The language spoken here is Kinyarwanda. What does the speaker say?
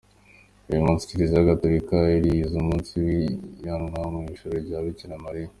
Uyu munsi Kiriziya Gatolika irizihiza umunsi w’ijyanwa mu ijuru rya Bikiramariya.